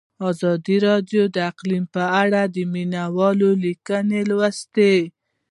ازادي راډیو د اقلیم په اړه د مینه والو لیکونه لوستي.